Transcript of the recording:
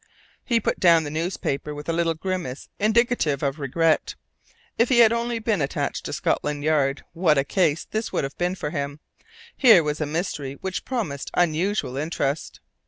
He put down the newspaper with a little grimace indicative of regret. If he had only been attached to Scotland Yard, what a case this would have been for him! Here was a mystery which promised unusual interest.